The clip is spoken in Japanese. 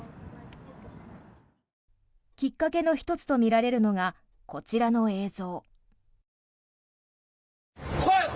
きっかけの１つとみられるのがこちらの映像。